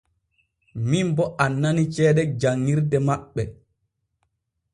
Min bo annani ceede jan ŋirde maɓɓe.